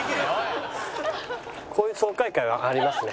こういう爽快感はわかりますね。